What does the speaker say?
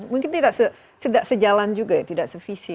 mungkin tidak sejalan juga ya tidak sevisi